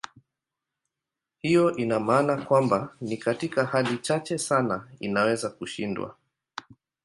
Hiyo ina maana kwamba ni katika hali chache sana inaweza kushindwa.